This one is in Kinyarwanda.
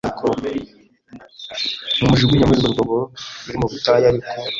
mumujugunye muri uru rwobo ruri mu butayu ariko